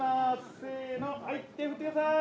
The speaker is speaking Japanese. せのはい手を振ってください！